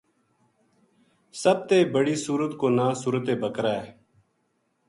سب تے بڑٰی سورت کو ناں سورت بقرہ ہے۔